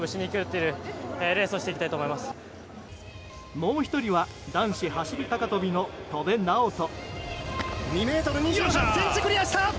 もう１人は男子走り高跳びの戸邉直人。